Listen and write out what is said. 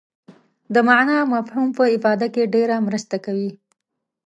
د معنا او مفهوم په افاده کې ډېره مرسته کوي.